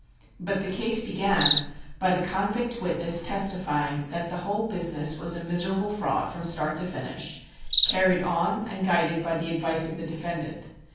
But the case began by the convict witness testifying that the whole business was a miserable fraud from start to finish, carried on and guided by the advice of the defendant.